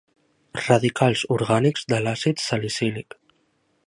Radicals orgànics de l'àcid salicílic.